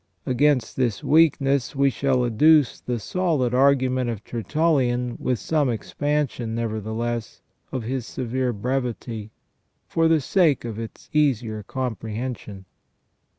Against this weakness we shall adduce the solid argument of TertuUian, with some expansion, nevertheless, of his severe brevity, for the sake of its easier comprehension.